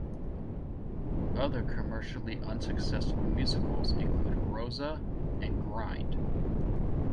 Other commercially unsuccessful musicals includes "Roza" and "Grind".